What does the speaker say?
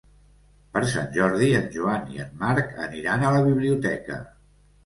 Per Sant Jordi en Joan i en Marc aniran a la biblioteca.